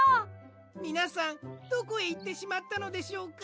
みなさんどこへいってしまったのでしょうか？